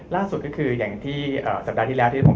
ล่าสุดก็คืออย่างที่สัปดาห์ที่แล้วที่ผม